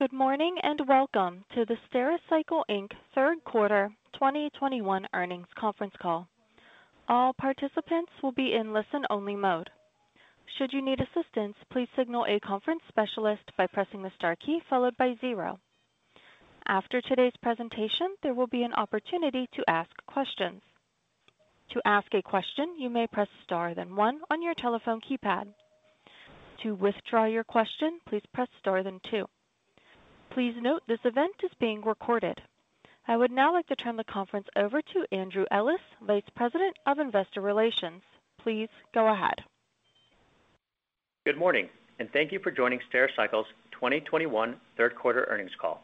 Good morning, and welcome to the Stericycle Inc. third quarter 2021 earnings conference call. All participants will be in listen-only mode. Should you need assistance, please signal a conference specialist by pressing the star key followed by zero. After today's presentation, there will be an opportunity to ask questions. To ask a question, you may press star then one on your telephone keypad. To withdraw your question, please press star then two. Please note this event is being recorded. I would now like to turn the conference over to Andrew Ellis, Vice President of Investor Relations. Please go ahead. Good morning, and thank you for joining Stericycle's 2021 third quarter earnings call.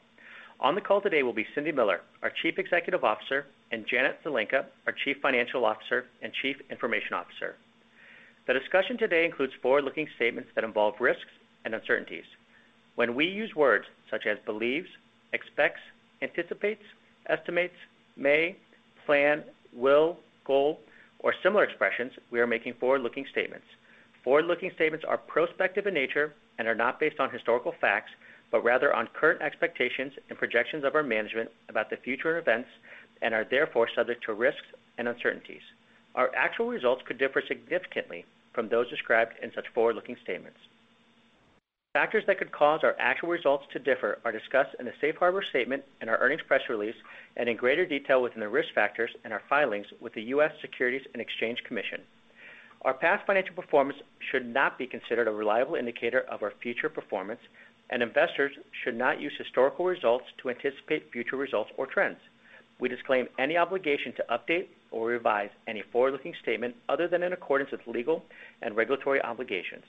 On the call today will be Cindy Miller, our Chief Executive Officer, and Janet Zelenka, our Chief Financial Officer and Chief Information Officer. The discussion today includes forward-looking statements that involve risks and uncertainties. When we use words such as believes, expects, anticipates, estimates, may, plan, will, goal, or similar expressions, we are making forward-looking statements. Forward-looking statements are prospective in nature and are not based on historical facts, but rather on current expectations and projections of our management about the future events and are therefore subject to risks and uncertainties. Our actual results could differ significantly from those described in such forward-looking statements. Factors that could cause our actual results to differ are discussed in the safe harbor statement in our earnings press release and in greater detail within the risk factors in our filings with the U.S. Securities and Exchange Commission. Our past financial performance should not be considered a reliable indicator of our future performance, and investors should not use historical results to anticipate future results or trends. We disclaim any obligation to update or revise any forward-looking statement other than in accordance with legal and regulatory obligations.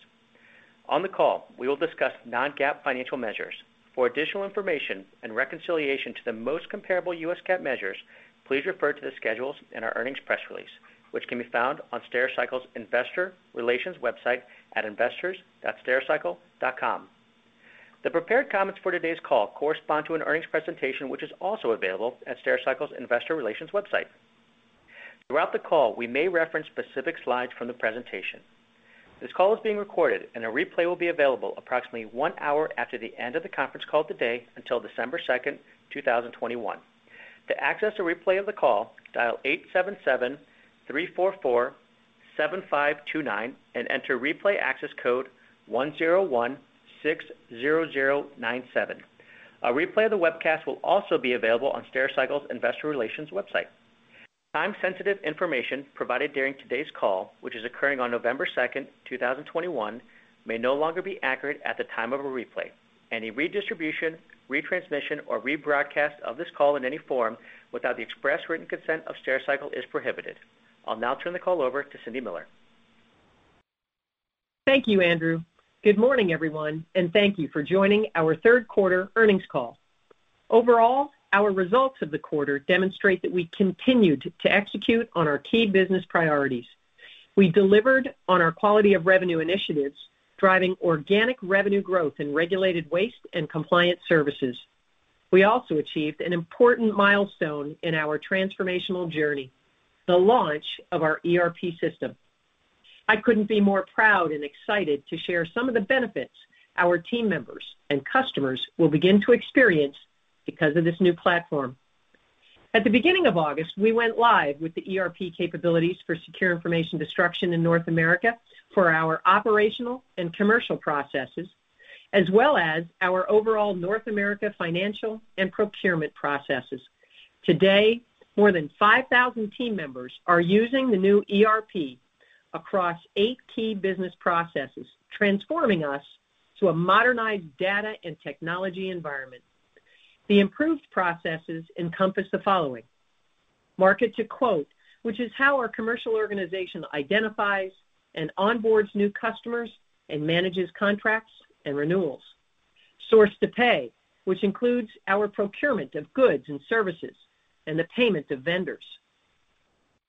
On the call, we will discuss non-GAAP financial measures. For additional information and reconciliation to the most comparable U.S. GAAP measures, please refer to the schedules in our earnings press release, which can be found on Stericycle's investor relations website at investors.stericycle.com. The prepared comments for today's call correspond to an earnings presentation, which is also available at Stericycle's investor relations website. Throughout the call, we may reference specific slides from the presentation. This call is being recorded and a replay will be available approximately one hour after the end of the conference call today until December 2nd, 2021. To access a replay of the call, dial 877-344-7529 and enter replay access code 10160097. A replay of the webcast will also be available on Stericycle's investor relations website. Time-sensitive information provided during today's call, which is occurring on November 2nd, 2021, may no longer be accurate at the time of a replay. Any redistribution, retransmission, or rebroadcast of this call in any form without the express written consent of Stericycle is prohibited. I'll now turn the call over to Cindy Miller. Thank you, Andrew. Good morning, everyone, and thank you for joining our third quarter earnings call. Overall, our results of the quarter demonstrate that we continued to execute on our key business priorities. We delivered on our quality of revenue initiatives, driving organic revenue growth in Regulated Waste and Compliance Services. We also achieved an important milestone in our transformational journey, the launch of our ERP system. I couldn't be more proud and excited to share some of the benefits our team members and customers will begin to experience because of this new platform. At the beginning of August, we went live with the ERP capabilities for Secure Information Destruction in North America for our operational and commercial processes, as well as our overall North America financial and procurement processes. Today, more than 5,000 team members are using the new ERP across eight key business processes, transforming us to a modernized data and technology environment. The improved processes encompass the following. Market to quote, which is how our commercial organization identifies and onboards new customers and manages contracts and renewals. Source to pay, which includes our procurement of goods and services and the payment of vendors.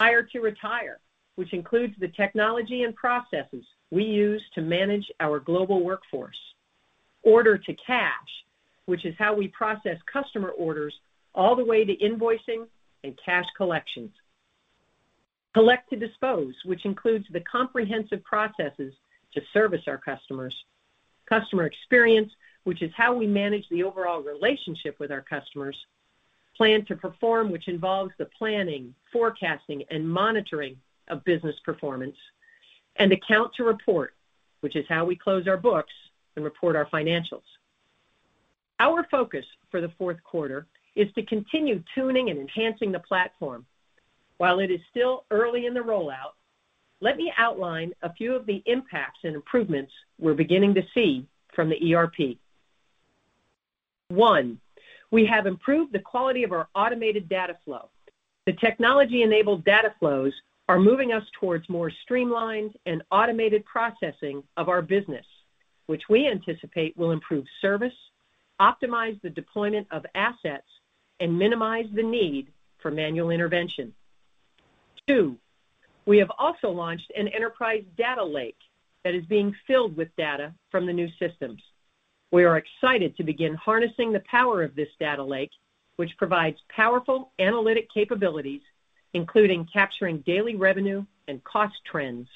Hire to retire, which includes the technology and processes we use to manage our global workforce. Order to cash, which is how we process customer orders all the way to invoicing and cash collections. Collect to dispose, which includes the comprehensive processes to service our customers. Customer experience, which is how we manage the overall relationship with our customers. Plan to perform, which involves the planning, forecasting, and monitoring of business performance. An account to report, which is how we close our books and report our financials. Our focus for the fourth quarter is to continue tuning and enhancing the platform. While it is still early in the rollout, let me outline a few of the impacts and improvements we're beginning to see from the ERP. One, we have improved the quality of our automated data flow. The technology-enabled data flows are moving us towards more streamlined and automated processing of our business, which we anticipate will improve service, optimize the deployment of assets, and minimize the need for manual intervention. Two, we have also launched an enterprise data lake that is being filled with data from the new systems. We are excited to begin harnessing the power of this data lake, which provides powerful analytic capabilities, including capturing daily revenue and cost trends.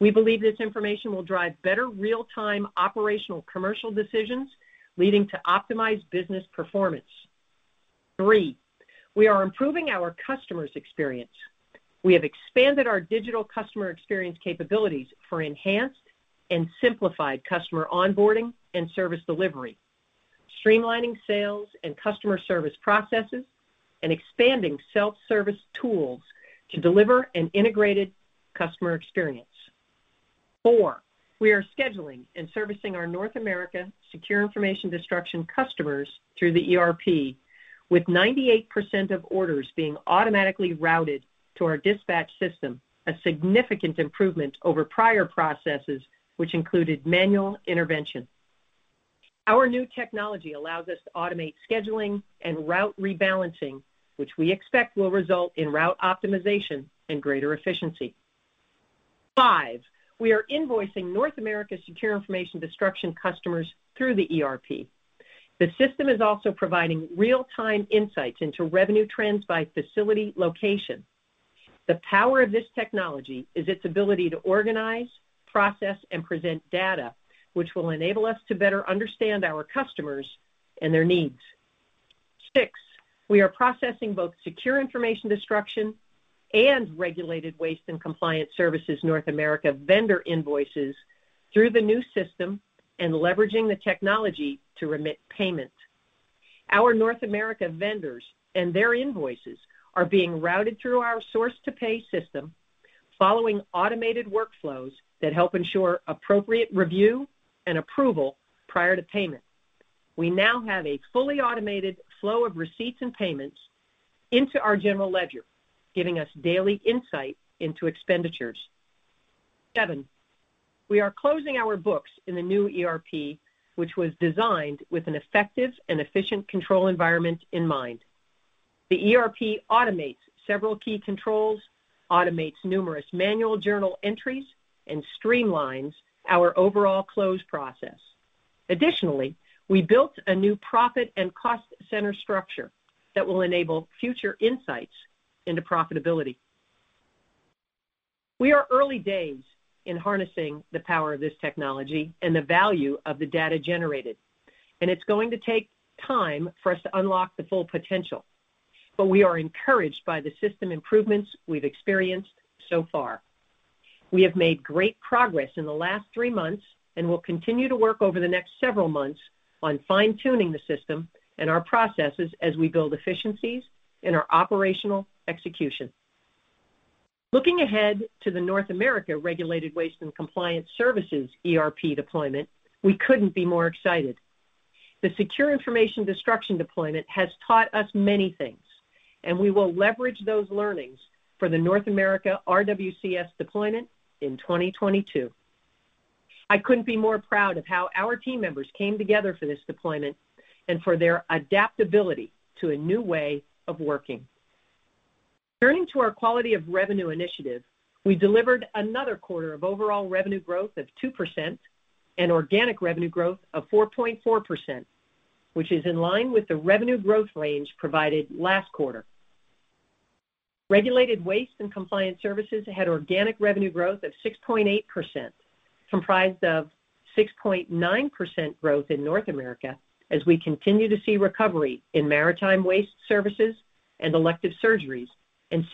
We believe this information will drive better real-time operational commercial decisions, leading to optimized business performance. Three, we are improving our customer's experience. We have expanded our digital customer experience capabilities for enhanced and simplified customer onboarding and service delivery, streamlining sales and customer service processes, and expanding self-service tools to deliver an integrated customer experience. Four, we are scheduling and servicing our North America Secure Information Destruction customers through the ERP, with 98% of orders being automatically routed to our dispatch system, a significant improvement over prior processes, which included manual intervention. Our new technology allows us to automate scheduling and route rebalancing, which we expect will result in route optimization and greater efficiency. Five, we are invoicing North America Secure Information Destruction customers through the ERP. The system is also providing real-time insights into revenue trends by facility location. The power of this technology is its ability to organize, process, and present data, which will enable us to better understand our customers and their needs. Six, we are processing both Secure Information Destruction and Regulated Waste and Compliance Services North America vendor invoices through the new system and leveraging the technology to remit payment. Our North America vendors and their invoices are being routed through our source-to-pay system following automated workflows that help ensure appropriate review and approval prior to payment. We now have a fully automated flow of receipts and payments into our general ledger, giving us daily insight into expenditures. We are closing our books in the new ERP, which was designed with an effective and efficient control environment in mind. The ERP automates several key controls, automates numerous manual journal entries, and streamlines our overall close process. Additionally, we built a new profit and cost center structure that will enable future insights into profitability. We are in early days in harnessing the power of this technology and the value of the data generated, and it's going to take time for us to unlock the full potential. We are encouraged by the system improvements we've experienced so far. We have made great progress in the last three months and will continue to work over the next several months on fine-tuning the system and our processes as we build efficiencies in our operational execution. Looking ahead to the North America Regulated Waste and Compliance Services ERP deployment, we couldn't be more excited. The Secure Information Destruction deployment has taught us many things, and we will leverage those learnings for the North America RWCS deployment in 2022. I couldn't be more proud of how our team members came together for this deployment and for their adaptability to a new way of working. Turning to our quality of revenue Initiative, we delivered another quarter of overall revenue growth of 2% and organic revenue growth of 4.4%, which is in line with the revenue growth range provided last quarter. Regulated Waste and Compliance Services had organic revenue growth of 6.8%, comprised of 6.9% growth in North America as we continue to see recovery in maritime waste services and elective surgeries, and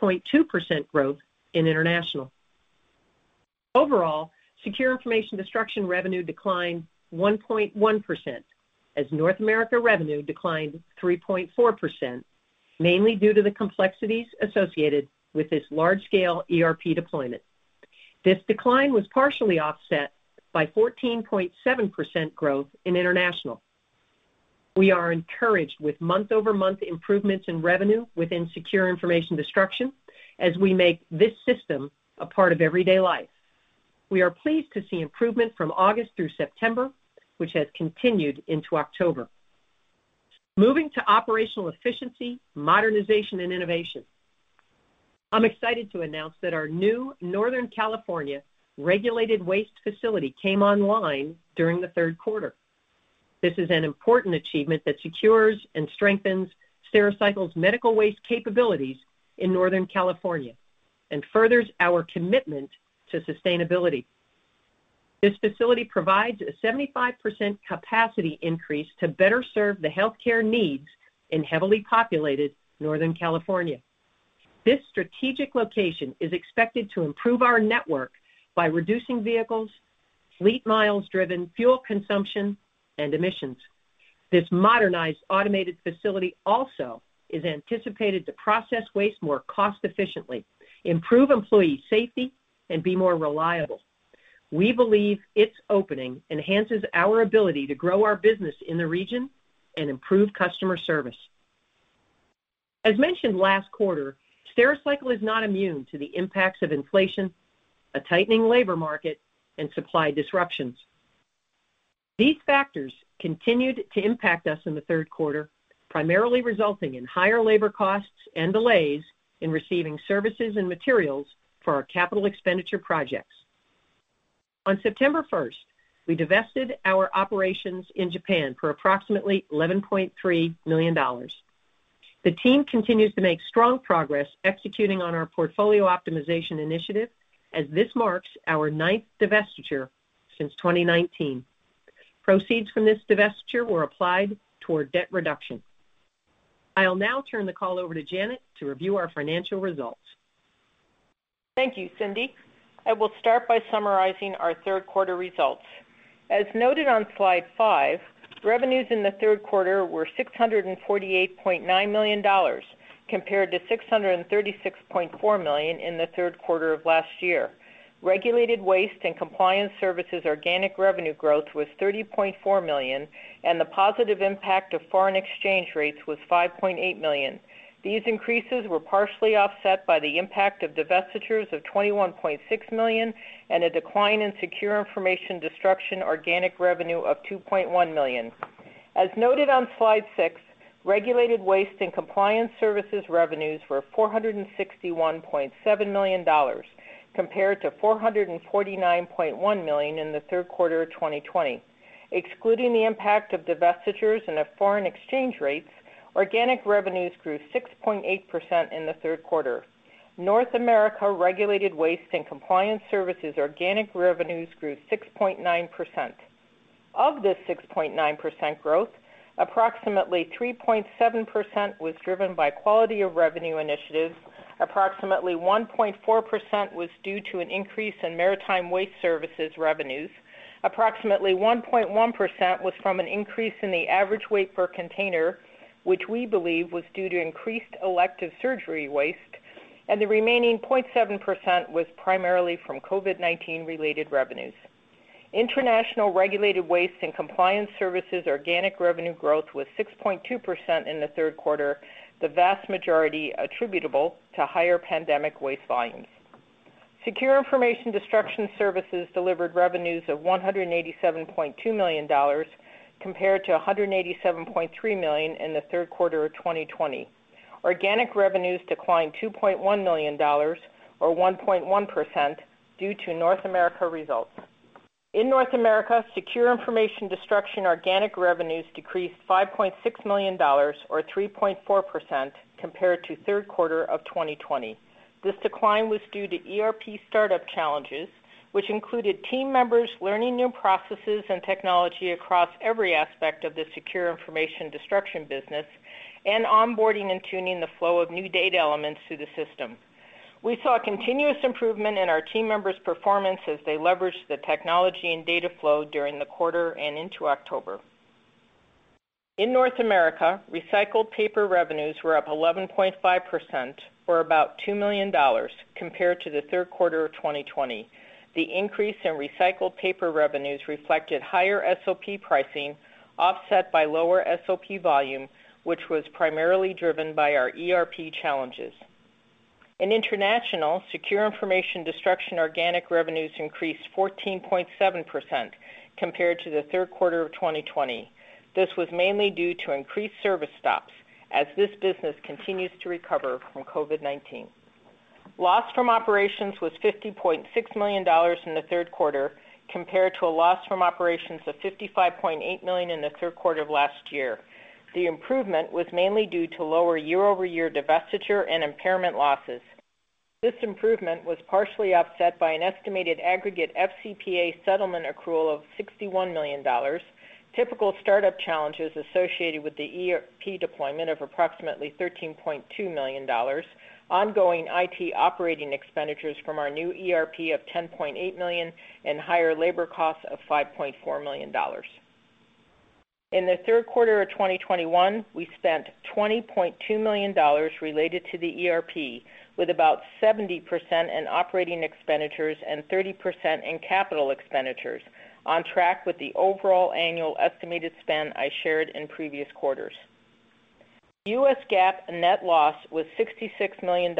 6.2% growth in International. Overall, Secure Information Destruction revenue declined 1.1% as North America revenue declined 3.4%, mainly due to the complexities associated with this large-scale ERP deployment. This decline was partially offset by 14.7% growth in International. We are encouraged with month-over-month improvements in revenue within Secure Information Destruction as we make this system a part of everyday life. We are pleased to see improvement from August through September, which has continued into October. Moving to operational efficiency, modernization, and innovation. I'm excited to announce that our new Northern California regulated waste facility came online during the third quarter. This is an important achievement that secures and strengthens Stericycle's medical waste capabilities in Northern California and furthers our commitment to sustainability. This facility provides a 75% capacity increase to better serve the healthcare needs in heavily populated Northern California. This strategic location is expected to improve our network by reducing vehicles, fleet miles driven, fuel consumption, and emissions. This modernized automated facility also is anticipated to process waste more cost-efficiently, improve employee safety, and be more reliable. We believe its opening enhances our ability to grow our business in the region and improve customer service. As mentioned last quarter, Stericycle is not immune to the impacts of inflation, a tightening labor market, and supply disruptions. These factors continued to impact us in the third quarter, primarily resulting in higher labor costs and delays in receiving services and materials for our capital expenditure projects. On September first, we divested our operations in Japan for approximately $11.3 million. The team continues to make strong progress executing on our portfolio optimization initiative as this marks our ninth divestiture since 2019. Proceeds from this divestiture were applied toward debt reduction. I'll now turn the call over to Janet to review our financial results. Thank you, Cindy. I will start by summarizing our third quarter results. As noted on slide five, revenues in the third quarter were $648.9 million compared to $636.4 million in the third quarter of last year. Regulated Waste and Compliance Services organic revenue growth was $30.4 million, and the positive impact of foreign exchange rates was $5.8 million. These increases were partially offset by the impact of divestitures of $21.6 million and a decline in Secure Information Destruction organic revenue of $2.1 million. As noted on slide six, Regulated Waste and Compliance Services revenues were $461.7 million compared to $449.1 million in the third quarter of 2020. Excluding the impact of divestitures and of foreign exchange rates, organic revenues grew 6.8% in the third quarter. North America Regulated Waste and Compliance Services organic revenues grew 6.9%. Of this 6.9% growth, approximately 3.7% was driven by quality of revenue initiatives. Approximately 1.4% was due to an increase in maritime waste services revenues. Approximately 1.1% was from an increase in the average weight per container, which we believe was due to increased elective surgery waste, and the remaining 0.7% was primarily from COVID-19 related revenues. International Regulated Waste and Compliance Services organic revenue growth was 6.2% in the third quarter, the vast majority attributable to higher pandemic waste volumes. Secure Information Destruction Services delivered revenues of $187.2 million compared to $187.3 million in the third quarter of 2020. Organic revenues declined $2.1 million or 1.1% due to North America results. In North America, Secure Information Destruction organic revenues decreased $5.6 million or 3.4% compared to third quarter of 2020. This decline was due to ERP startup challenges, which included team members learning new processes and technology across every aspect of the Secure Information Destruction business and onboarding and tuning the flow of new data elements to the system. We saw continuous improvement in our team members' performance as they leveraged the technology and data flow during the quarter and into October. In North America, recycled paper revenues were up 11.5% or about $2 million compared to the third quarter of 2020. The increase in recycled paper revenues reflected higher SOP pricing offset by lower SOP volume, which was primarily driven by our ERP challenges. In International, Secure Information Destruction organic revenues increased 14.7% compared to the third quarter of 2020. This was mainly due to increased service stops as this business continues to recover from COVID-19. Loss from operations was $50.6 million in the third quarter compared to a loss from operations of $55.8 million in the third quarter of last year. The improvement was mainly due to lower year-over-year divestiture and impairment losses. This improvement was partially offset by an estimated aggregate FCPA settlement accrual of $61 million, typical startup challenges associated with the ERP deployment of approximately $13.2 million, ongoing IT operating expenditures from our new ERP of $10.8 million, and higher labor costs of $5.4 million. In the third quarter of 2021, we spent $20.2 million related to the ERP, with about 70% in operating expenditures and 30% in capital expenditures on track with the overall annual estimated spend I shared in previous quarters. U.S. GAAP net loss was $66 million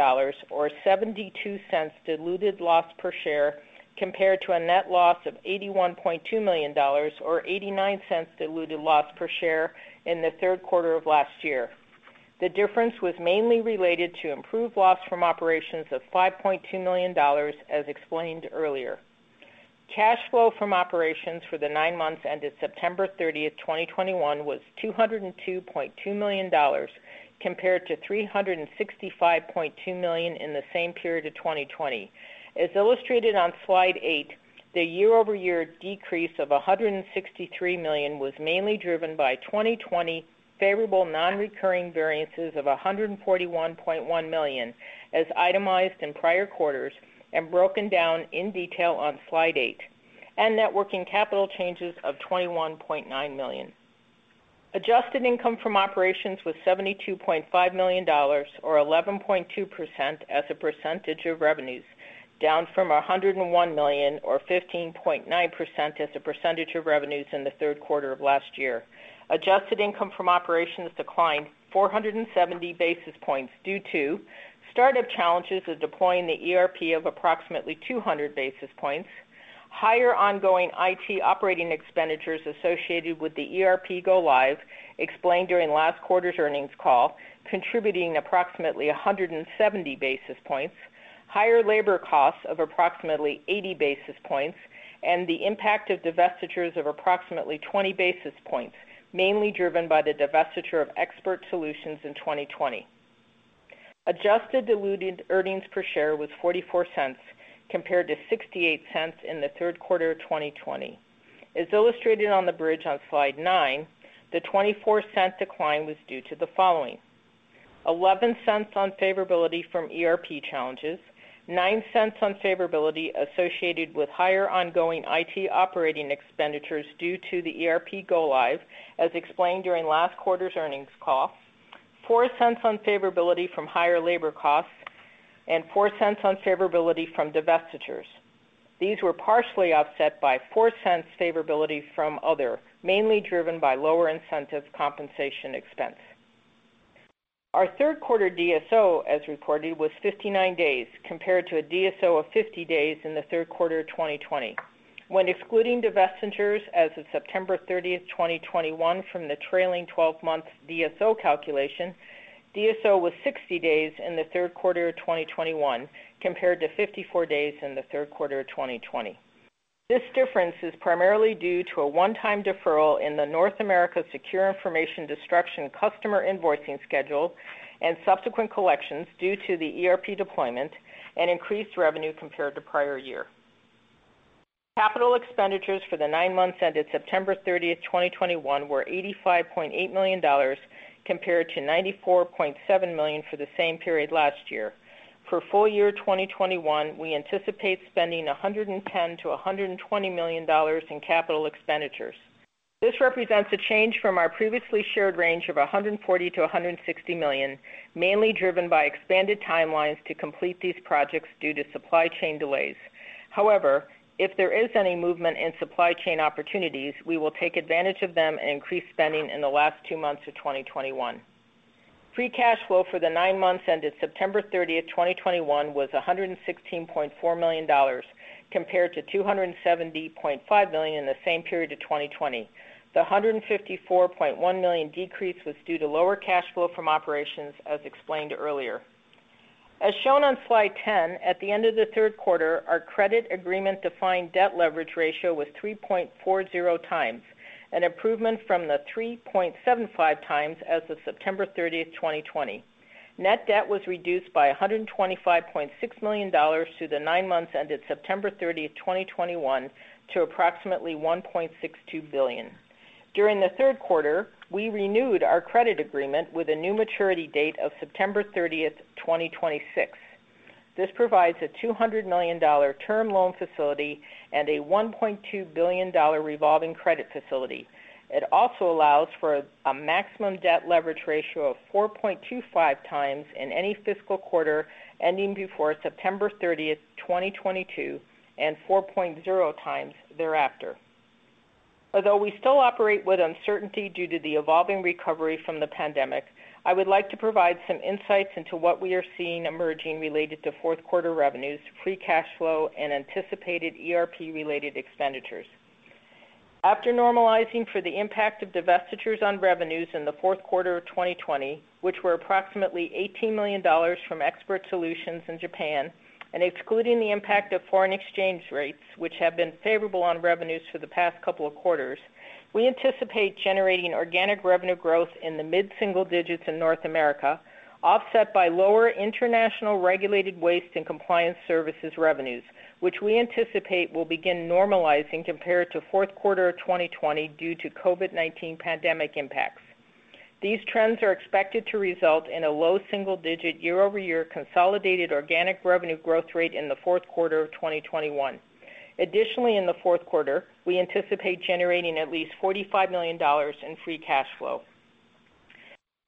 or $0.72 diluted loss per share, compared to a net loss of $81.2 million or $0.89 diluted loss per share in the third quarter of last year. The difference was mainly related to improved loss from operations of $5.2 million, as explained earlier. Cash flow from operations for the nine months ended September 30th, 2021 was $202.2 million compared to $365.2 million in the same period of 2020. As illustrated on slide eight, the year-over-year decrease of $163 million was mainly driven by 2020 favorable non-recurring variances of $141.1 million, as itemized in prior quarters and broken down in detail on slide eight, and net working capital changes of $21.9 million. Adjusted income from operations was $72.5 million or 11.2% as a percentage of revenues, down from $101 million or 15.9% as a percentage of revenues in the third quarter of last year. Adjusted income from operations declined 470 basis points due to startup challenges of deploying the ERP of approximately 200 basis points, higher ongoing IT operating expenditures associated with the ERP go live explained during last quarter's earnings call, contributing approximately 170 basis points. Higher labor costs of approximately 80 basis points and the impact of divestitures of approximately 20 basis points, mainly driven by the divestiture of Expert Solutions in 2020. Adjusted diluted earnings per share was $0.44 compared to $0.68 in the third quarter of 2020. As illustrated on the bridge on slide nine, the $0.24 decline was due to the following, $0.11 unfavorability from ERP challenges, $0.09 unfavorability associated with higher ongoing IT operating expenditures due to the ERP go-live, as explained during last quarter's earnings call, $0.04 unfavorability from higher labor costs, and $0.04 unfavorability from divestitures. These were partially offset by $0.04 favorability from other, mainly driven by lower incentive compensation expense. Our third quarter DSO, as reported, was 59 days, compared to a DSO of 50 days in the third quarter of 2020. When excluding divestitures as of September 30th, 2021 from the trailing twelve month DSO calculation, DSO was 60 days in the third quarter of 2021 compared to 54 days in the third quarter of 2020. This difference is primarily due to a one-time deferral in the North America Secure Information Destruction customer invoicing schedule and subsequent collections due to the ERP deployment and increased revenue compared to prior year. Capital expenditures for the nine months ended September 30th, 2021 were $85.8 million compared to $94.7 million for the same period last year. For full year 2021, we anticipate spending $110 million-$120 million in capital expenditures. This represents a change from our previously shared range of $140 million-$160 million, mainly driven by expanded timelines to complete these projects due to supply chain delays. However, if there is any movement in supply chain opportunities, we will take advantage of them and increase spending in the last two months of 2021. Free cash flow for the nine months ended September 30th, 2021 was $116.4 million compared to $270.5 million in the same period of 2020. The $154.1 million decrease was due to lower cash flow from operations, as explained earlier. As shown on slide 10, at the end of the third quarter, our credit agreement defined debt leverage ratio was 3.40x, an improvement from the 3.75x as of September 30th, 2020. Net debt was reduced by $125.6 million through the nine months ended September 30th, 2021 to approximately $1.62 billion. During the third quarter, we renewed our credit agreement with a new maturity date of September 30th, 2026. This provides a $200 million term loan facility and a $1.2 billion revolving credit facility. It also allows for a maximum debt leverage ratio of 4.25x in any fiscal quarter ending before September 30th, 2022, and 4.0x thereafter. Although we still operate with uncertainty due to the evolving recovery from the pandemic, I would like to provide some insights into what we are seeing emerging related to fourth quarter revenues, free cash flow, and anticipated ERP-related expenditures. After normalizing for the impact of divestitures on revenues in the fourth quarter of 2020, which were approximately $18 million from Expert Solutions in Japan, and excluding the impact of foreign exchange rates, which have been favorable on revenues for the past couple of quarters, we anticipate generating organic revenue growth in the mid-single digits in North America, offset by lower International Regulated Waste and Compliance Services revenues, which we anticipate will begin normalizing compared to fourth quarter of 2020 due to COVID-19 pandemic impacts. These trends are expected to result in a low single-digit year-over-year consolidated organic revenue growth rate in the fourth quarter of 2021. Additionally, in the fourth quarter, we anticipate generating at least $45 million in free cash flow.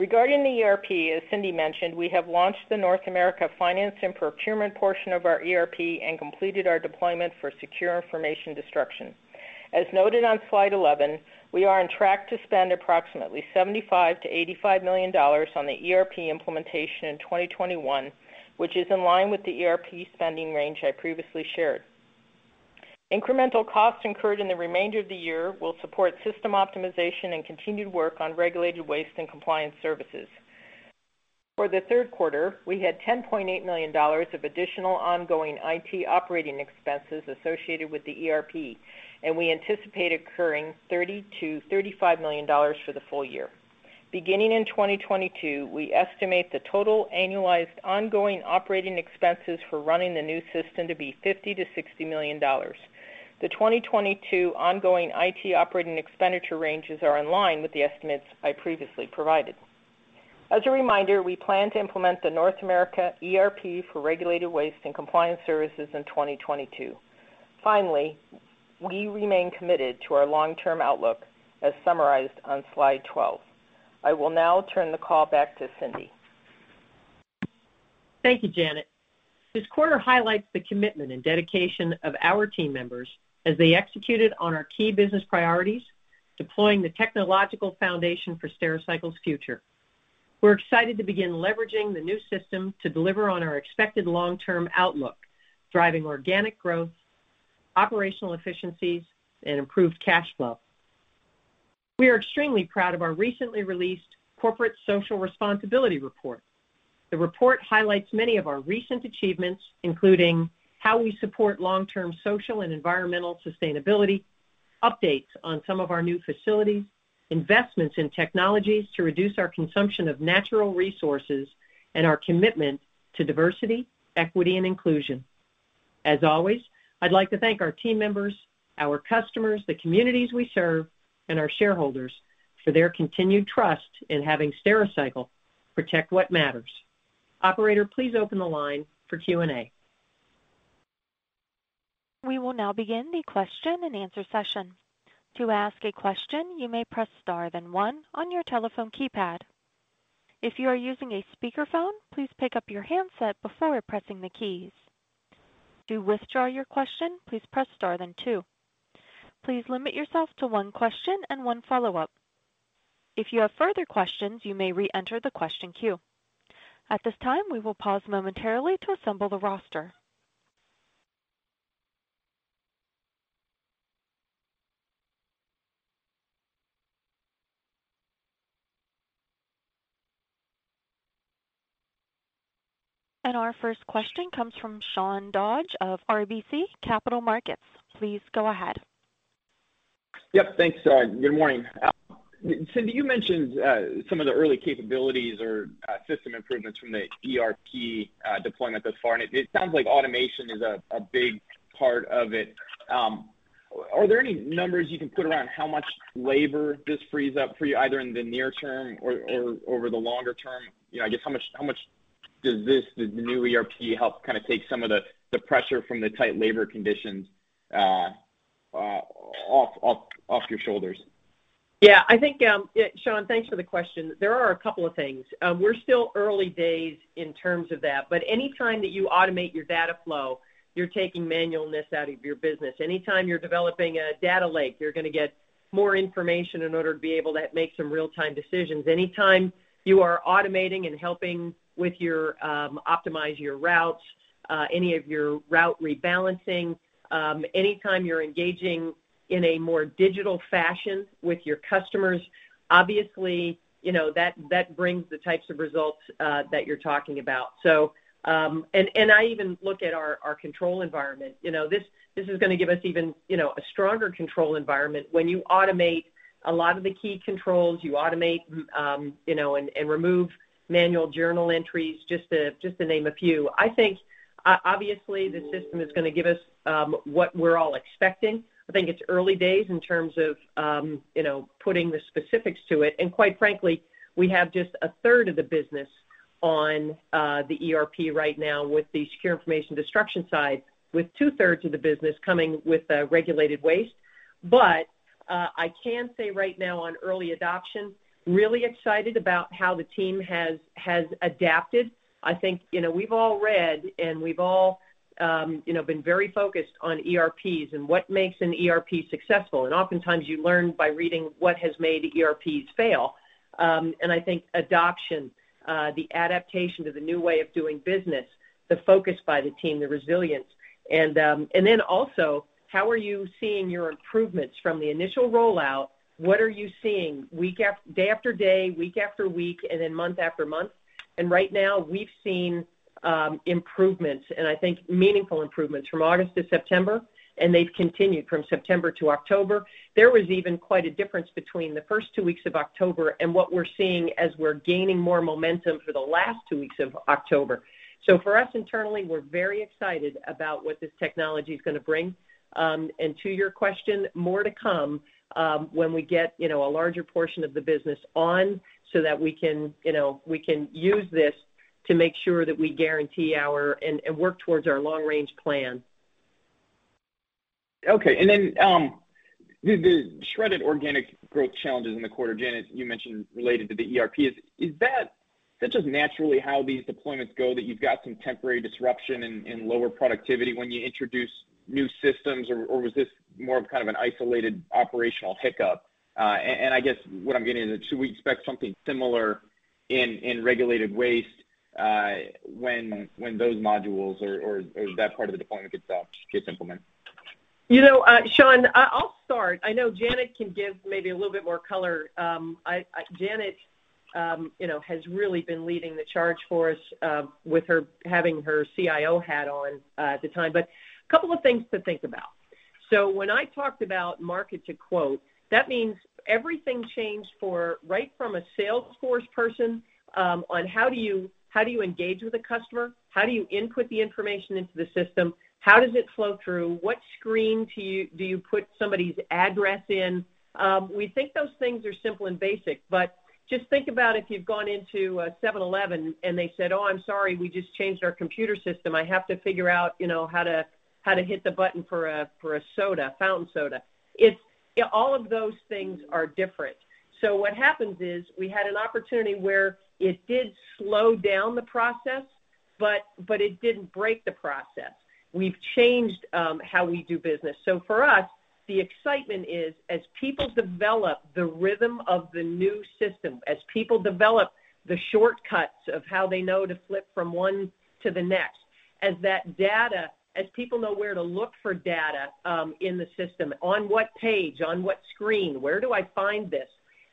Regarding the ERP, as Cindy mentioned, we have launched the North America finance and procurement portion of our ERP and completed our deployment for Secure Information Destruction. As noted on slide 11, we are on track to spend approximately $75 million-$85 million on the ERP implementation in 2021, which is in line with the ERP spending range I previously shared. Incremental costs incurred in the remainder of the year will support system optimization and continued work on Regulated Waste and Compliance Services. For the third quarter, we had $10.8 million of additional ongoing IT operating expenses associated with the ERP, and we anticipate incurring $30 million-$35 million for the full year. Beginning in 2022, we estimate the total annualized ongoing operating expenses for running the new system to be $50 million-$60 million. The 2022 ongoing IT operating expenditure ranges are in line with the estimates I previously provided. As a reminder, we plan to implement the North America ERP for Regulated Waste and Compliance Services in 2022. Finally, we remain committed to our long-term outlook, as summarized on slide 12. I will now turn the call back to Cindy. Thank you, Janet. This quarter highlights the commitment and dedication of our team members as they executed on our key business priorities, deploying the technological foundation for Stericycle's future. We're excited to begin leveraging the new system to deliver on our expected long-term outlook, driving organic growth, operational efficiencies, and improved cash flow. We are extremely proud of our recently released corporate social responsibility report. The report highlights many of our recent achievements, including how we support long-term social and environmental sustainability, updates on some of our new facilities, investments in technologies to reduce our consumption of natural resources, and our commitment to diversity, equity, and inclusion. As always, I'd like to thank our team members, our customers, the communities we serve, and our shareholders for their continued trust in having Stericycle protect what matters. Operator, please open the line for Q&A. We will now begin the question-and-answer session. To ask a question, you may press star, then one on your telephone keypad. If you are using a speakerphone, please pick up your handset before pressing the keys. To withdraw your question, please press star, then two. Please limit yourself to one question and one follow-up. If you have further questions, you may re-enter the question queue. At this time, we will pause momentarily to assemble the roster. Our first question comes from Sean Dodge of RBC Capital Markets. Please go ahead. Yep. Thanks. Good morning. Cindy, you mentioned some of the early capabilities or system improvements from the ERP deployment thus far, and it sounds like automation is a big part of it. Are there any numbers you can put around how much labor this frees up for you, either in the near term or over the longer term? You know, I guess, how much does this, the new ERP help kinda take some of the pressure from the tight labor conditions off your shoulders? Yeah, Sean, thanks for the question. There are a couple of things. We're still early days in terms of that, but any time that you automate your data flow, you're taking manualness out of your business. Any time you're developing a data lake, you're gonna get more information in order to be able to make some real-time decisions. Any time you are automating and helping you optimize your routes, any of your route rebalancing, any time you're engaging in a more digital fashion with your customers, obviously, you know, that brings the types of results that you're talking about. And I even look at our control environment. You know, this is gonna give us even, you know, a stronger control environment. When you automate a lot of the key controls, you automate and remove manual journal entries, just to name a few. I think obviously the system is gonna give us what we're all expecting. I think it's early days in terms of putting the specifics to it. Quite frankly, we have just 1/3 of the business on the ERP right now with the Secure Information Destruction side, with 2/3 of the business coming with Regulated Waste. I can say right now on early adoption, really excited about how the team has adapted. I think we've all read, and we've all been very focused on ERPs and what makes an ERP successful, and oftentimes you learn by reading what has made ERPs fail. I think adoption, the adaptation to the new way of doing business, the focus by the team, the resilience, and then also, how are you seeing your improvements from the initial rollout? What are you seeing day after day, week after week, and then month after month? Right now we've seen improvements, and I think meaningful improvements from August to September, and they've continued from September to October. There was even quite a difference between the first two weeks of October and what we're seeing as we're gaining more momentum for the last two weeks of October. For us internally, we're very excited about what this technology is gonna bring. To your question, more to come when we get you know a larger portion of the business on so that we can you know use this to make sure that we guarantee our and work towards our long-range plan. Okay. The shredded organic growth challenges in the quarter, Janet, you mentioned related to the ERP. Is that just naturally how these deployments go, that you've got some temporary disruption and lower productivity when you introduce new systems or was this more of kind of an isolated operational hiccup? I guess what I'm getting at is should we expect something similar in Regulated Waste when those modules or that part of the deployment gets implemented? You know, Sean, I'll start. I know Janet can give maybe a little bit more color. Janet, you know, has really been leading the charge for us, with her having her CIO hat on, at the time. Couple of things to think about. When I talked about market to quote, that means everything changed right from a sales force person, on how do you engage with a customer? How do you input the information into the system? How does it flow through? What screen do you put somebody's address in? We think those things are simple and basic, but just think about if you've gone into a 7-Eleven and they said, "Oh, I'm sorry, we just changed our computer system. I have to figure out, you know, how to hit the button for a fountain soda." It's all of those things are different. What happens is we had an opportunity where it did slow down the process, but it didn't break the process. We've changed how we do business. For us, the excitement is as people develop the rhythm of the new system, as people develop the shortcuts of how they know to flip from one to the next. As that data, as people know where to look for data in the system, on what page, on what screen, where do I find this?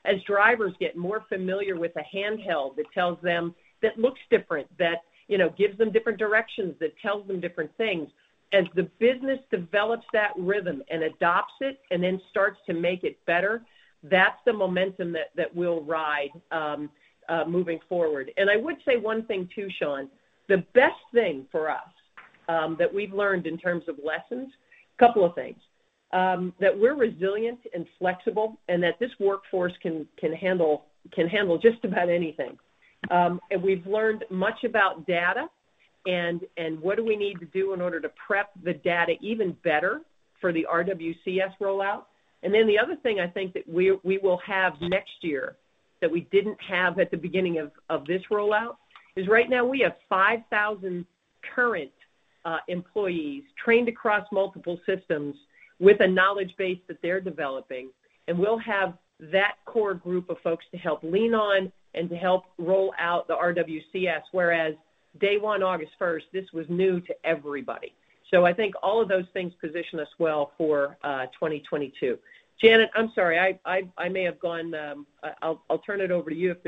As drivers get more familiar with the handheld that tells them that looks different, that, you know, gives them different directions, that tells them different things. As the business develops that rhythm and adopts it and then starts to make it better, that's the momentum that will ride moving forward. I would say one thing too, Sean. The best thing for us that we've learned in terms of lessons, couple of things. That we're resilient and flexible and that this workforce can handle just about anything. We've learned much about data and what do we need to do in order to prep the data even better for the RWCS rollout. The other thing I think that we will have next year that we didn't have at the beginning of this rollout is right now we have 5,000 current employees trained across multiple systems with a knowledge base that they're developing, and we'll have that core group of folks to help lean on and to help roll out the RWCS, whereas day one, August first, this was new to everybody. I think all of those things position us well for 2022. Janet, I'm sorry, I may have gone. I'll turn it over to you if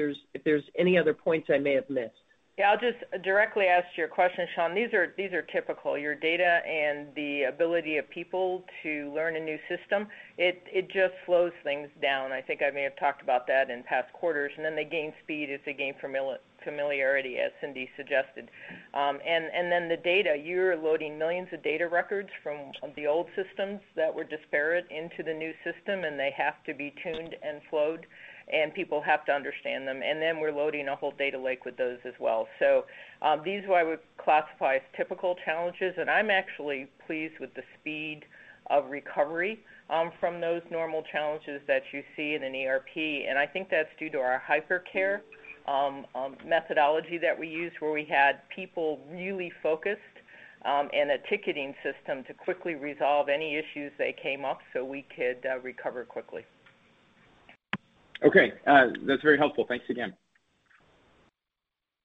there's any other points I may have missed. Yeah. I'll just directly ask your question, Sean. These are typical. Your data and the ability of people to learn a new system, it just slows things down. I think I may have talked about that in past quarters, and then they gain speed as they gain familiarity, as Cindy suggested. Then the data, you're loading millions of data records from the old systems that were disparate into the new system, and they have to be tuned and flowed, and people have to understand them. Then we're loading a whole data lake with those as well. These are what I would classify as typical challenges, and I'm actually pleased with the speed of recovery from those normal challenges that you see in an ERP. I think that's due to our hypercare methodology that we used where we had people really focused and a ticketing system to quickly resolve any issues that came up so we could recover quickly. Okay. That's very helpful. Thanks again.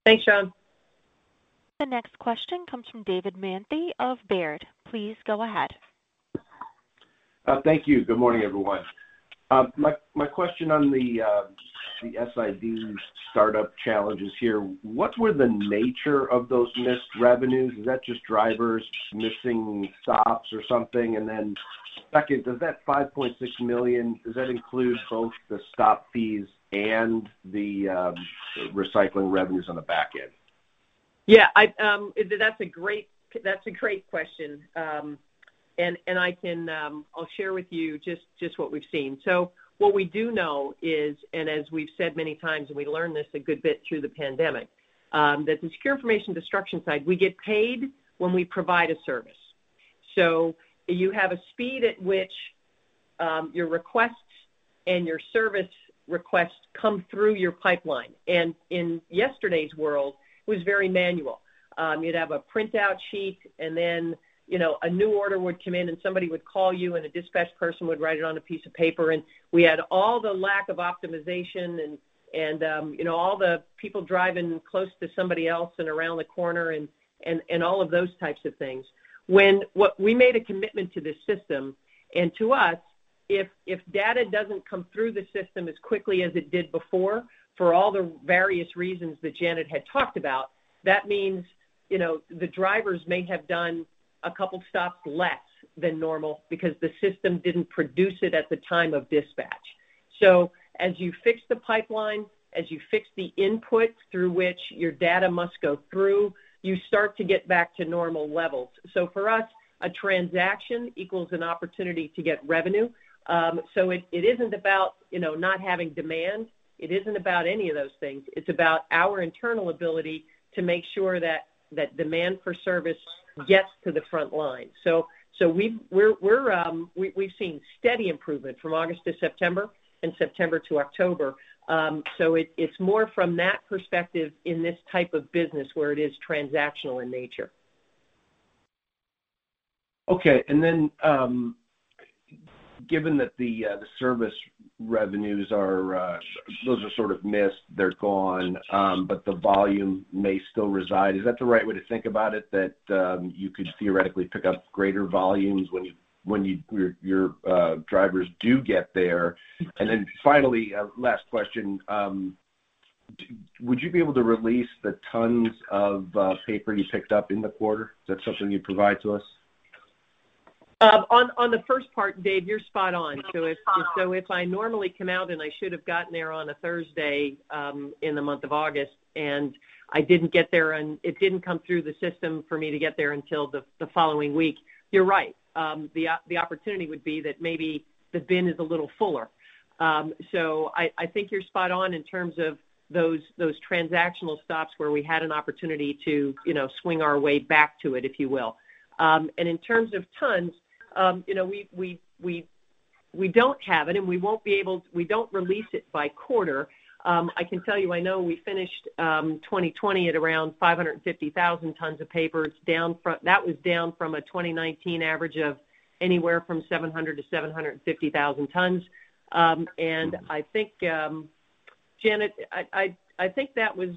Thanks, Sean. The next question comes from David Manthey of Baird. Please go ahead. Thank you. Good morning, everyone. My question on the SID startup challenges here. What were the nature of those missed revenues? Is that just drivers missing stops or something? Second, does that $5.6 million, does that include both the stop fees and the recycling revenues on the back end? Yeah, that's a great question. I'll share with you just what we've seen. What we do know is, as we've said many times, we learned this a good bit through the pandemic, that the Secure Information Destruction side, we get paid when we provide a service. You have a speed at which your requests and your service requests come through your pipeline. In yesterday's world, it was very manual. You'd have a printout sheet, and then, you know, a new order would come in and somebody would call you, and a dispatch person would write it on a piece of paper. We had all the lack of optimization and, you know, all the people driving close to somebody else and around the corner and all of those types of things. We made a commitment to this system, and to us, if data doesn't come through the system as quickly as it did before, for all the various reasons that Janet had talked about, that means, you know, the drivers may have done a couple stops less than normal because the system didn't produce it at the time of dispatch. As you fix the pipeline, as you fix the input through which your data must go through, you start to get back to normal levels. For us, a transaction equals an opportunity to get revenue. It isn't about, you know, not having demand. It isn't about any of those things. It's about our internal ability to make sure that that demand for service gets to the front line. We've seen steady improvement from August to September and September to October. It's more from that perspective in this type of business where it is transactional in nature. Okay. Then, given that the service revenues are sort of missed, they're gone, but the volume may still reside, is that the right way to think about it? That you could theoretically pick up greater volumes when your drivers do get there? Then finally, last question. Would you be able to release the tons of paper you picked up in the quarter? Is that something you'd provide to us? On the first part, Dave, you're spot on. If I normally come out and I should have gotten there on a Thursday in the month of August, and I didn't get there and it didn't come through the system for me to get there until the following week, you're right. The opportunity would be that maybe the bin is a little fuller. I think you're spot on in terms of those transactional stops where we had an opportunity to, you know, swing our way back to it, if you will. In terms of tons, you know, we don't have it. We don't release it by quarter. I can tell you, I know we finished 2020 at around 550,000 tons of paper. It's down from a 2019 average of anywhere from 700,000 tons-750,000 tons. I think, Janet, I think those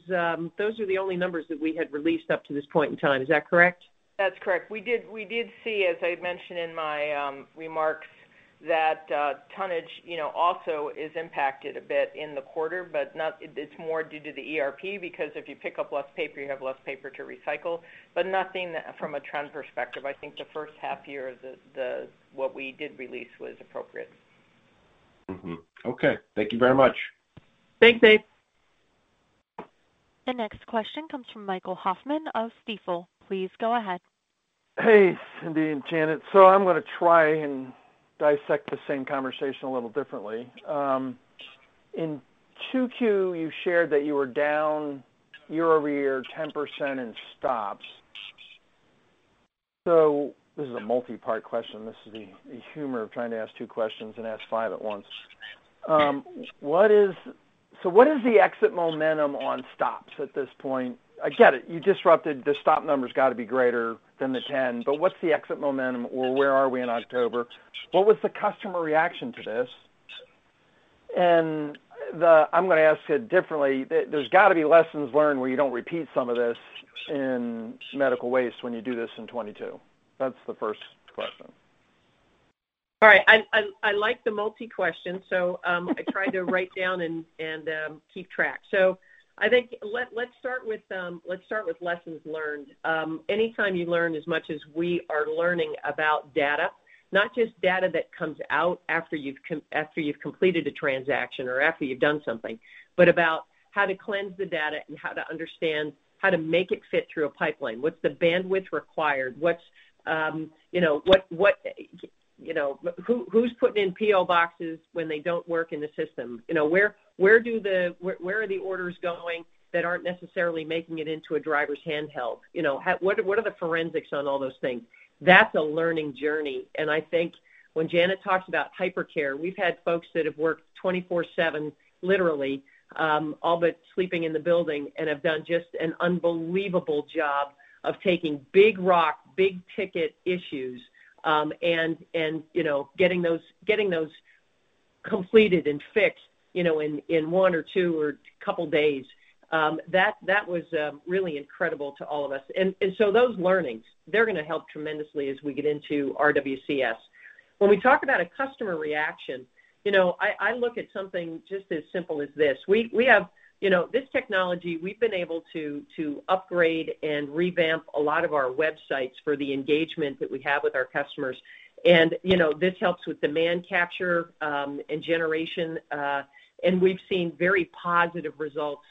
are the only numbers that we had released up to this point in time. Is that correct? That's correct. We did see, as I mentioned in my remarks, that tonnage, you know, also is impacted a bit in the quarter, but it's more due to the ERP, because if you pick up less paper, you have less paper to recycle. Nothing from a trend perspective. I think the first half year, what we did release was appropriate. Mm-hmm. Okay. Thank you very much. Thanks, Dave. The next question comes from Michael Hoffman of Stifel. Please go ahead. Hey, Cindy and Janet. I'm gonna try and dissect the same conversation a little differently. In 2Q, you shared that you were down year-over-year 10% in stops. This is a multi-part question. This is the humor of trying to ask two questions and ask five at once. What is the exit momentum on stops at this point? I get it. You disrupted. The stop number's gotta be greater than the 10. But what's the exit momentum, or where are we in October? What was the customer reaction to this? I'm gonna ask it differently. There's got to be lessons learned where you don't repeat some of this in medical waste when you do this in 2022. That's the first question. All right. I like the multi-question. So, I tried to write down and keep track. So I think let's start with lessons learned. Anytime you learn as much as we are learning about data, not just data that comes out after you've completed a transaction or after you've done something, but about how to cleanse the data and how to understand how to make it fit through a pipeline. What's the bandwidth required? What's you know, what you know, who who's putting in PO boxes when they don't work in the system? You know, where are the orders going that aren't necessarily making it into a driver's handheld? You know, how what are the forensics on all those things? That's a learning journey, and I think when Janet talks about hypercare, we've had folks that have worked 24/7, literally, all but sleeping in the building, and have done just an unbelievable job of taking big rock, big ticket issues, and you know, getting those completed and fixed, you know, in one or two or couple days. That was really incredible to all of us. Those learnings, they're gonna help tremendously as we get into RWCS. When we talk about a customer reaction, you know, I look at something just as simple as this. We have. You know, this technology, we've been able to upgrade and revamp a lot of our websites for the engagement that we have with our customers. You know, this helps with demand capture, and generation, and we've seen very positive results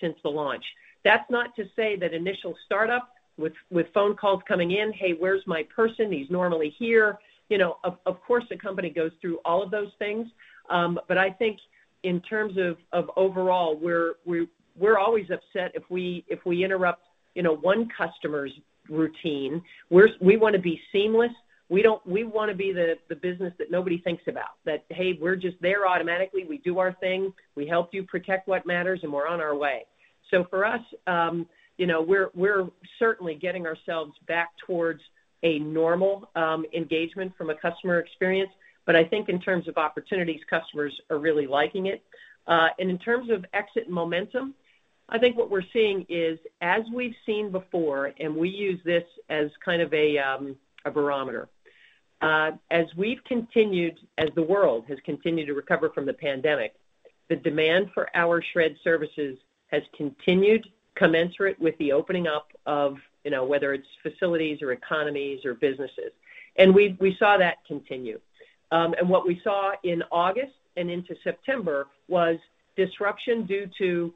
since the launch. That's not to say that initial startup with phone calls coming in, "Hey, where's my person? He's normally here." You know, of course, the company goes through all of those things. I think in terms of overall, we're always upset if we interrupt, you know, one customer's routine. We want to be seamless. We want to be the business that nobody thinks about, that, hey, we're just there automatically. We do our thing. We help you protect what matters, and we're on our way. For us, you know, we're certainly getting ourselves back towards a normal engagement from a customer experience. I think in terms of opportunities, customers are really liking it. In terms of exit momentum, I think what we're seeing is, as we've seen before, and we use this as kind of a barometer, as the world has continued to recover from the pandemic, the demand for our shred services has continued commensurate with the opening up of, you know, whether it's facilities or economies or businesses. We saw that continue. What we saw in August and into September was disruption due to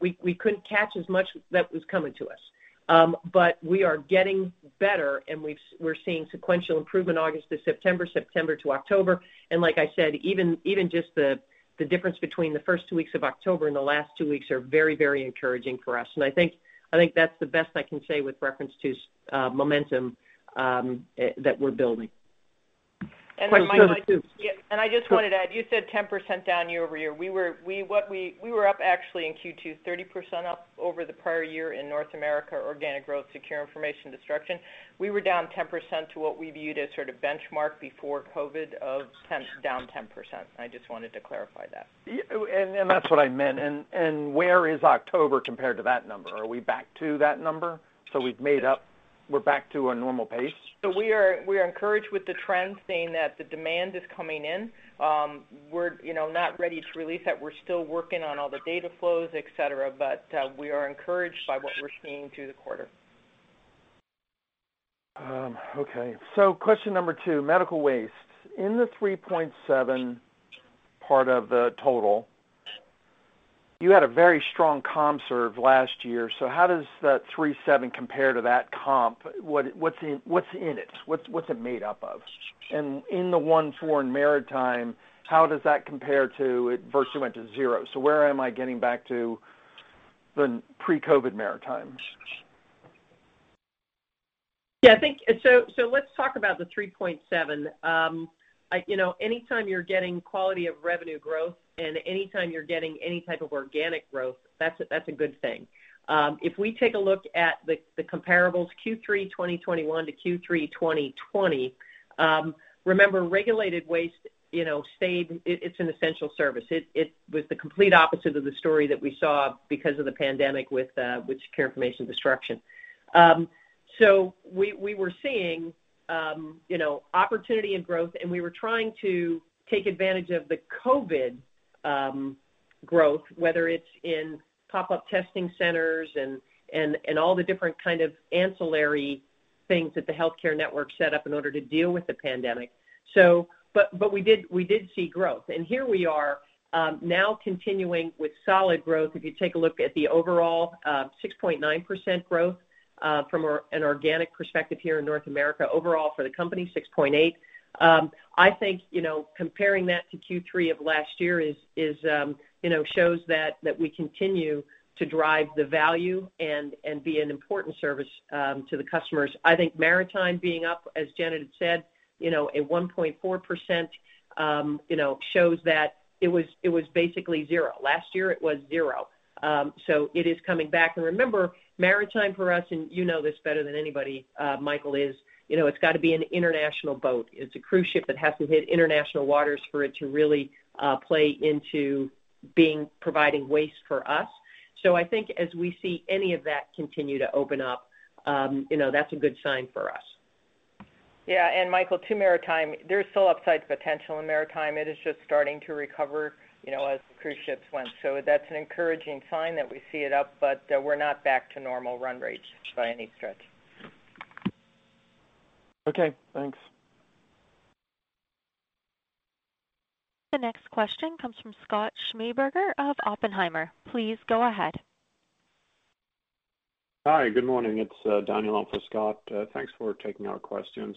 we couldn't catch as much that was coming to us. We are getting better, and we're seeing sequential improvement August to September to October. Like I said, even just the difference between the first two weeks of October and the last two weeks are very encouraging for us. I think that's the best I can say with reference to momentum that we're building. Question number two. Yeah. I just wanted to add, you said 10% down year-over-year. We were up actually in Q2, 30% up over the prior year in North America, organic growth, Secure Information Destruction. We were down 10% to what we viewed as sort of benchmark before COVID of 10, down 10%. I just wanted to clarify that. Yeah. That's what I meant. Where is October compared to that number? Are we back to that number? We've made up. We're back to a normal pace? We are encouraged with the trends, saying that the demand is coming in. We're, you know, not ready to release that. We're still working on all the data flows, et cetera, but we are encouraged by what we're seeing through the quarter. Okay. Question number two, medical waste. In the 3.7% part of the total, you had a very strong comp year last year. How does that 3.7% compare to that comp? What's in it? What's it made up of? In the 1.4% in maritime, how does that compare to it? It virtually went to zero. Where am I getting back to the pre-COVID maritime? Let's talk about the 3.7%. You know, anytime you're getting quality of revenue growth and anytime you're getting any type of organic growth, that's a good thing. If we take a look at the comparables Q3 2021 to Q3 2020, remember Regulated Waste, you know, stayed. It is an essential service. It was the complete opposite of the story that we saw because of the pandemic with Secure Information Destruction. We were seeing, you know, opportunity and growth, and we were trying to take advantage of the COVID growth, whether it's in pop-up testing centers and all the different kind of ancillary things that the healthcare network set up in order to deal with the pandemic. We did see growth. Here we are, now continuing with solid growth. If you take a look at the overall 6.9% growth from an organic perspective here in North America, overall for the company, 6.8%. I think, you know, comparing that to Q3 of last year is, you know, shows that we continue to drive the value and be an important service to the customers. I think maritime being up, as Janet had said, you know, at 1.4%, you know, shows that it was basically 0%. Last year, it was 0%. It is coming back. Remember, maritime for us, and you know this better than anybody, Michael, is, you know, it's gotta be an international boat. It's a cruise ship that has to hit international waters for it to really play into providing waste for us. I think as we see any of that continue to open up, you know, that's a good sign for us. Yeah. Michael, to maritime, there's still upside potential in maritime. It is just starting to recover, you know, as cruise ships went. That's an encouraging sign that we see it up, but we're not back to normal run rates by any stretch. Okay, thanks. The next question comes from Scott Schneeberger of Oppenheimer. Please go ahead. Hi, good morning. It's Daniel on for Scott. Thanks for taking our questions.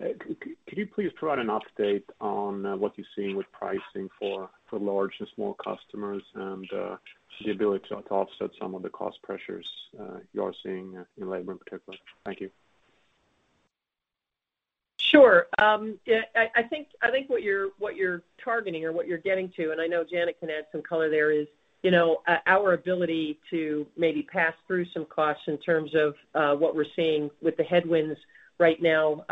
Could you please provide an update on what you're seeing with pricing for large and small customers and the ability to offset some of the cost pressures you are seeing in labor in particular? Thank you. Sure. Yeah, I think what you're targeting or what you're getting to, and I know Janet can add some color there, is, you know, our ability to maybe pass through some costs in terms of what we're seeing with the headwinds right now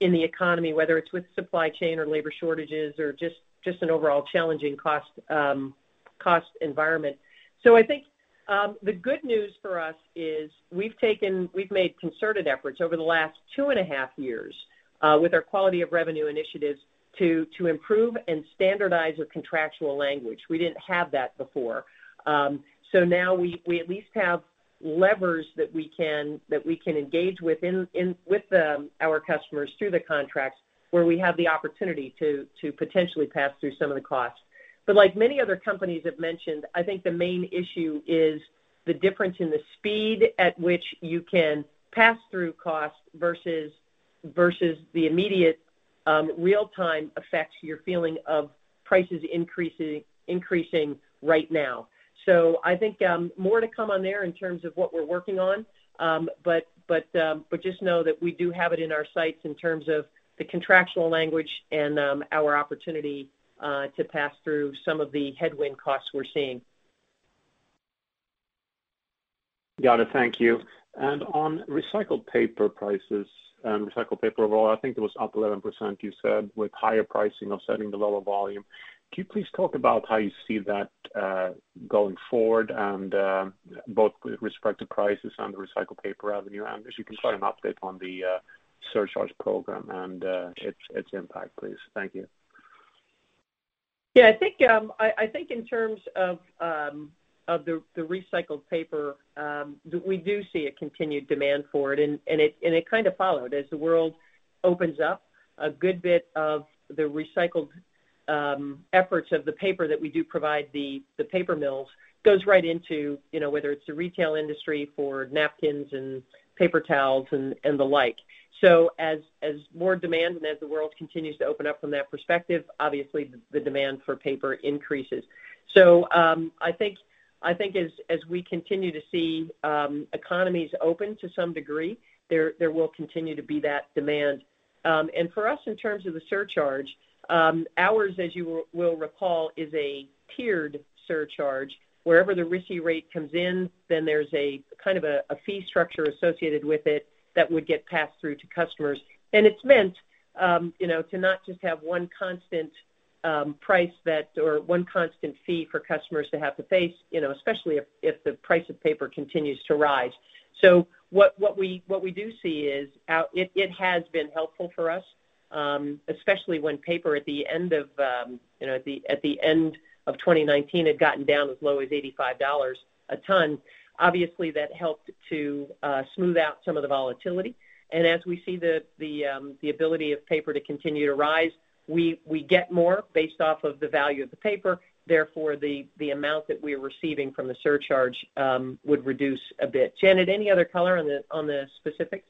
in the economy, whether it's with supply chain or labor shortages or just an overall challenging cost environment. I think the good news for us is we've made concerted efforts over the last 2.5 years with our quality of revenue initiatives to improve and standardize the contractual language. We didn't have that before. Now we at least have levers that we can engage with our customers through the contracts, where we have the opportunity to potentially pass through some of the costs. Like many other companies have mentioned, I think the main issue is the difference in the speed at which you can pass through costs versus the immediate real-time effects you're feeling of prices increasing right now. I think more to come on there in terms of what we're working on. Just know that we do have it in our sights in terms of the contractual language and our opportunity to pass through some of the headwind costs we're seeing. Got it. Thank you. On recycled paper prices, recycled paper overall, I think it was up 11%, you said, with higher pricing offsetting the lower volume. Can you please talk about how you see that going forward and both with respect to prices on the recycled paper revenue? If you can provide an update on the surcharge program and its impact, please. Thank you. Yeah, I think in terms of the recycled paper, we do see a continued demand for it. It kinda followed. As the world opens up, a good bit of the recycled efforts of the paper that we do provide the paper mills goes right into, you know, whether it's the retail industry for napkins and paper towels and the like. As more demand and as the world continues to open up from that perspective, obviously the demand for paper increases. I think as we continue to see economies open to some degree, there will continue to be that demand. For us, in terms of the surcharge, ours, as you will recall, is a tiered surcharge. Wherever the RISI rate comes in, then there's kind of a fee structure associated with it that would get passed through to customers. It's meant, you know, to not just have one constant price, or one constant fee for customers to have to face, you know, especially if the price of paper continues to rise. What we do see is how it has been helpful for us, especially when paper at the end of 2019 had gotten down as low as $85 a ton. Obviously, that helped to smooth out some of the volatility. As we see the ability of paper to continue to rise, we get more based off of the value of the paper. Therefore, the amount that we're receiving from the surcharge would reduce a bit. Janet, any other color on the specifics?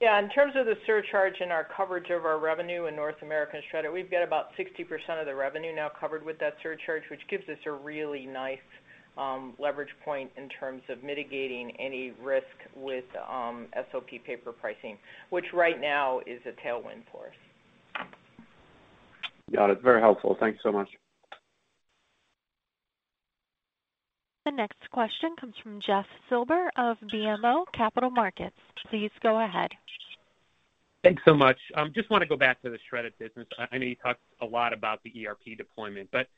Yeah. In terms of the surcharge and our coverage of our revenue in North American shredder, we've got about 60% of the revenue now covered with that surcharge, which gives us a really nice leverage point in terms of mitigating any risk with SOP paper pricing, which right now is a tailwind for us. Got it. Very helpful. Thank you so much. The next question comes from Jeff Silber of BMO Capital Markets. Please go ahead. Thanks so much. Just wanna go back to the shredder business. I know you talked a lot about the ERP deployment, but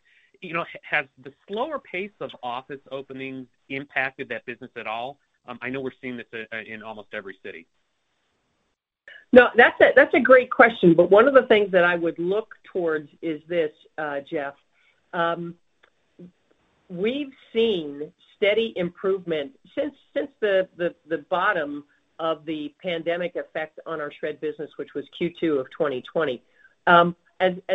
you know, has the slower pace of office openings impacted that business at all? I know we're seeing this in almost every city. No, that's a great question, but one of the things that I would look towards is this, Jeff. We've seen steady improvement since the bottom of the pandemic effect on our shred business, which was Q2 of 2020. As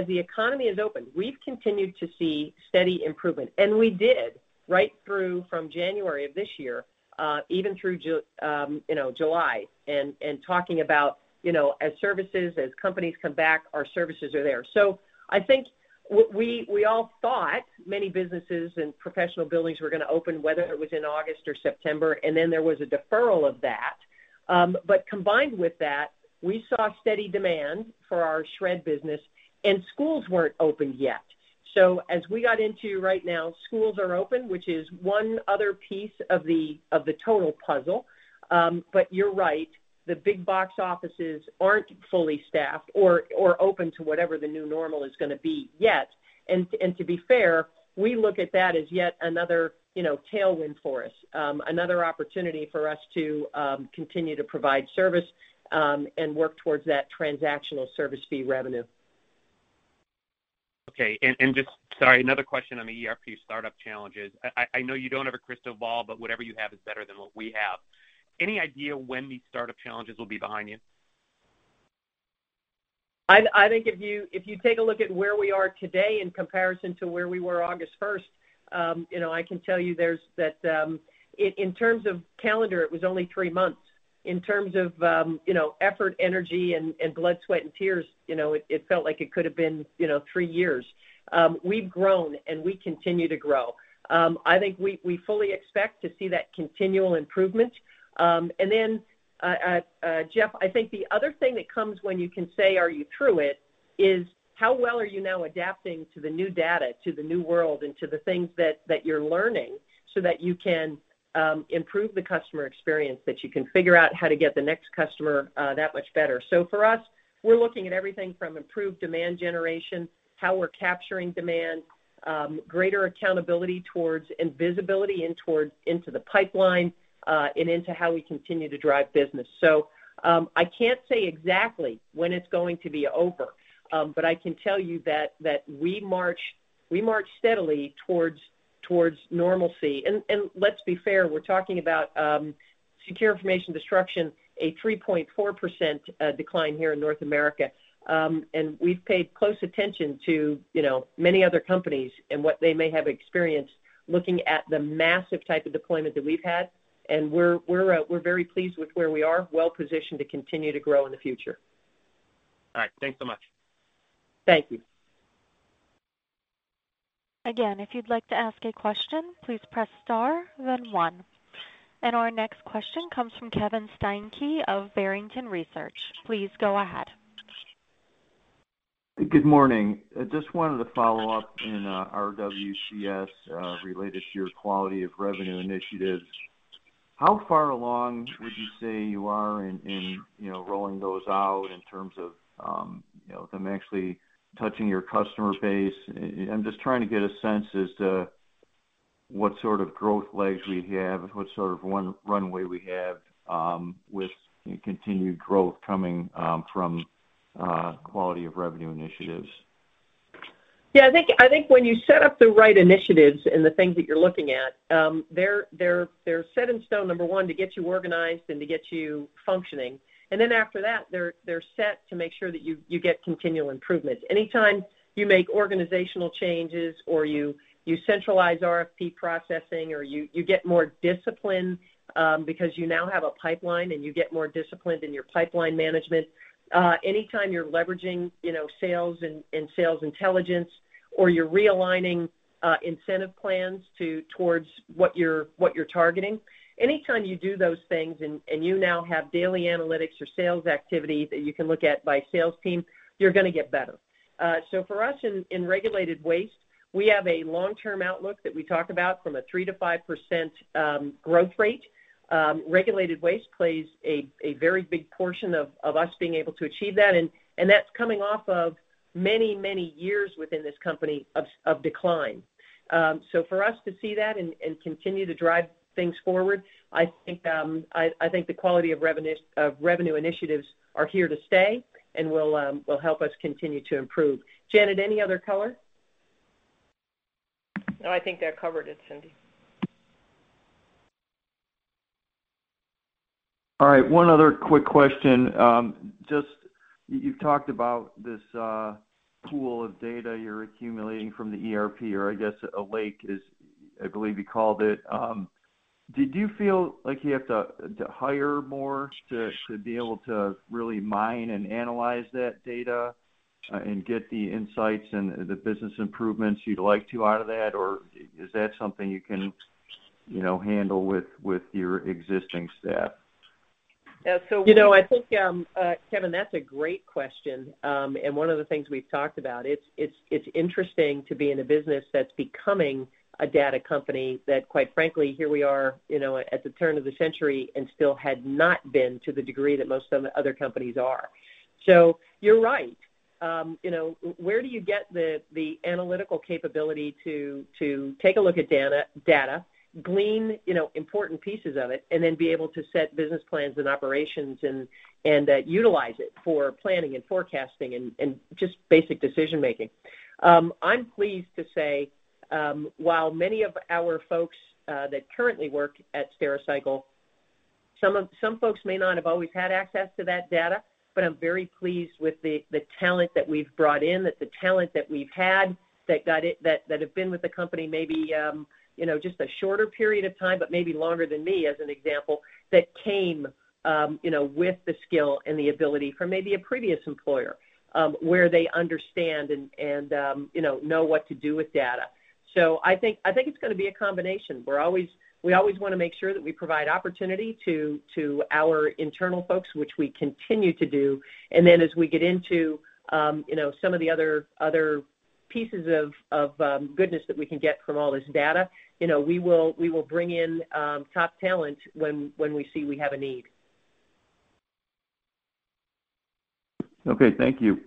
the economy has opened, we've continued to see steady improvement. We did right through from January of this year, even through July and talking about, you know, as services, as companies come back, our services are there. I think what we all thought many businesses and professional buildings were gonna open, whether it was in August or September, and then there was a deferral of that. Combined with that, we saw steady demand for our shred business, and schools weren't open yet. As we got into right now, schools are open, which is one other piece of the total puzzle. You're right, the big box offices aren't fully staffed or open to whatever the new normal is gonna be yet. To be fair, we look at that as yet another, you know, tailwind for us, another opportunity for us to continue to provide service, and work towards that transactional service fee revenue. Okay. Sorry, another question on the ERP startup challenges. I know you don't have a crystal ball, but whatever you have is better than what we have. Any idea when these startup challenges will be behind you? I think if you take a look at where we are today in comparison to where we were August first, you know, I can tell you that in terms of calendar, it was only three months. In terms of, you know, effort, energy, and blood, sweat, and tears, you know, it felt like it could have been, you know, three years. We've grown, and we continue to grow. I think we fully expect to see that continual improvement. Jeff, I think the other thing that comes when you can say, are you through it, is how well are you now adapting to the new data, to the new world, and to the things that you're learning so that you can improve the customer experience, that you can figure out how to get the next customer that much better. For us, we're looking at everything from improved demand generation, how we're capturing demand, greater accountability towards and visibility into the pipeline, and into how we continue to drive business. I can't say exactly when it's going to be over, but I can tell you that we march steadily towards normalcy. Let's be fair, we're talking about Secure Information Destruction, a 3.4% decline here in North America. We've paid close attention to, you know, many other companies and what they may have experienced looking at the massive type of deployment that we've had, and we're very pleased with where we are, well-positioned to continue to grow in the future. All right. Thanks so much. Thank you. Again, if you'd like to ask a question, please press star then one. Our next question comes from Kevin Steinke of Barrington Research. Please go ahead. Good morning. I just wanted to follow up in RWCS related to your quality of revenue initiatives. How far along would you say you are in, you know, rolling those out in terms of, you know, them actually touching your customer base? I'm just trying to get a sense as to what sort of growth legs we have, what sort of runway we have with continued growth coming from quality of revenue initiatives. Yeah. I think when you set up the right initiatives and the things that you're looking at, they're set in stone, number one, to get you organized and to get you functioning. Then after that, they're set to make sure that you get continual improvement. Anytime you make organizational changes or you centralize RFP processing or you get more discipline, because you now have a pipeline and you get more disciplined in your pipeline management, anytime you're leveraging, you know, sales and sales intelligence, or you're realigning, incentive plans towards what you're targeting, anytime you do those things and you now have daily analytics or sales activity that you can look at by sales team, you're gonna get better. For us in Regulated Waste, we have a long-term outlook that we talk about from a 3%-5% growth rate. Regulated Waste plays a very big portion of us being able to achieve that, and that's coming off of many years within this company of decline. For us to see that and continue to drive things forward, I think the quality of revenue initiatives are here to stay and will help us continue to improve. Janet, any other color? No, I think that covered it, Cindy. All right. One other quick question. Just you've talked about this pool of data you're accumulating from the ERP, or I guess a data lake is, I believe you called it. Did you feel like you have to hire more to be able to really mine and analyze that data, and get the insights and the business improvements you'd like to out of that? Or is that something you can, you know, handle with your existing staff? You know, I think, Kevin, that's a great question. One of the things we've talked about, it's interesting to be in a business that's becoming a data company that quite frankly, here we are, you know, at the turn of the century and still had not been to the degree that most of the other companies are. You're right. You know, where do you get the analytical capability to take a look at data, glean, you know, important pieces of it, and then be able to set business plans and operations and utilize it for planning and forecasting and just basic decision-making. I'm pleased to say, while many of our folks that currently work at Stericycle, some folks may not have always had access to that data, but I'm very pleased with the talent that we've brought in, the talent that we've had that have been with the company maybe, you know, just a shorter period of time, but maybe longer than me, as an example, that came, you know, with the skill and the ability from maybe a previous employer, where they understand and, you know what to do with data. So I think it's gonna be a combination. We always wanna make sure that we provide opportunity to our internal folks, which we continue to do. Then as we get into, you know, some of the other pieces of goodness that we can get from all this data, you know, we will bring in top talent when we see we have a need. Okay. Thank you.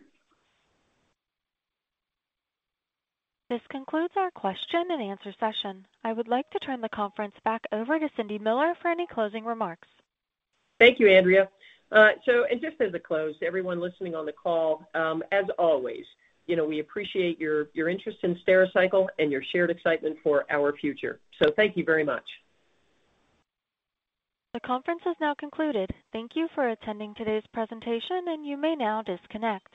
This concludes our question and answer session. I would like to turn the conference back over to Cindy Miller for any closing remarks. Thank you, Andrea. Just as a close, everyone listening on the call, as always, you know, we appreciate your interest in Stericycle and your shared excitement for our future. Thank you very much. The conference has now concluded. Thank you for attending today's presentation, and you may now disconnect.